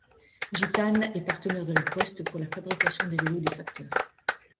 Gitane est partenaire de La Poste pour la fabrication des vélos des facteurs.